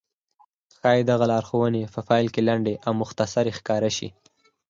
ښايي دغه لارښوونې په پيل کې لنډې او مختصرې ښکاره شي.